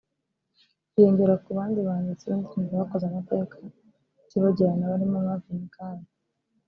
yiyongera ku bandi banditsi b’indirimbo bakoze amateka atibagirana barimo Marvin Gaye